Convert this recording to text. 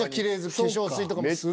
化粧水とかもする。